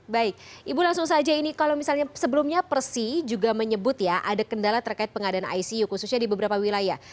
baik ibu langsung saja ini kalau misalnya sebelumnya persi juga menyebut ya ada kendala terkait pengadaan icu khususnya di beberapa wilayah